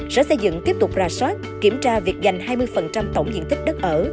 sở xây dựng tiếp tục ra soát kiểm tra việc dành hai mươi tổng diện tích đất ở